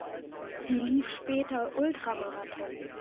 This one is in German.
Sie lief später Ultramarathon.